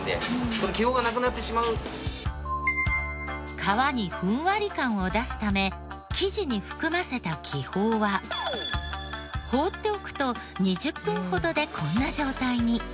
皮にふんわり感を出すため生地に含ませた気泡は放っておくと２０分ほどでこんな状態に。